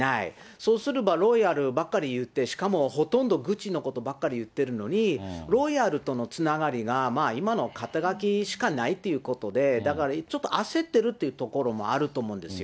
そうすれば、ロイヤルのことばっかり言って、言って、しかもほとんど口のことばっかり言ってるのに、ロイヤルとのつながりが今の肩書しかないということで、だから、ちょっと焦ってるっていうところもあると思うんですよ。